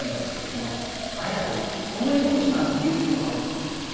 この「彩」というこの「彩」にした理由っていうのはあるんですかねこれ。